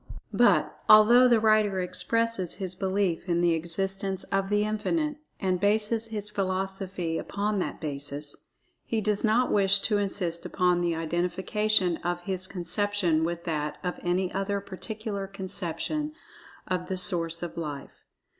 But, although the writer expresses his belief in the existence of The Infinite, and bases his philosophy upon that basis, he does not wish to insist upon the identification of his conception with that of any other particular conception of the Source of Life.